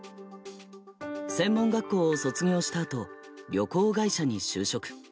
専門学校を卒業したあと旅行会社に就職。